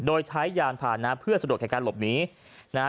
โดยใช้ยานผ่านนะเพื่อสะดวกในการหลบหนีนะฮะ